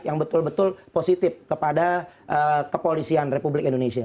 yang betul betul positif kepada kepolisian republik indonesia